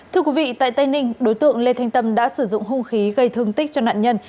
thưa quý vị tại tây ninh đối tượng lê thanh tâm đã sử dụng hung khí gây thương tích cho nạn nhân